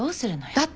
だって！